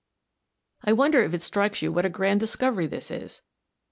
I wonder if it strikes you what a grand discovery this is?